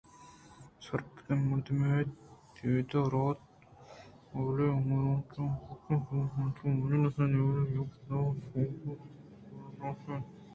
آسرپدیں مردمے اَت رد نہ وارت بلئے ہر روچ کہ ایشیءِ پٹ ءُپول ءِ حاترا مجلسءُ دیوان یاکہ شور ءُسلاہ ءَ پہ دیوانے لوٹائینگ بوت